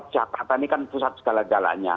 jakarta ini kan pusat segala galanya